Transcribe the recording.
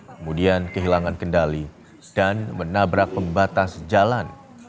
kemudian kehilangan kendali dan menabrak pembatas jalan